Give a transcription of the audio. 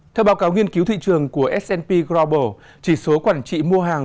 theo báo cáo nghiên cứu thị trường của s p global chỉ số quản trị mua hàng